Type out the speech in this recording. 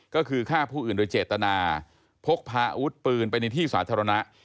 ก็คือฆ่าผู้อื่นโดยเจตนาพกพาอาวุธปืนไปในที่สาธารณะ